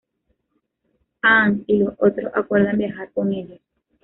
Aang y los otros acuerdan viajar con ellos.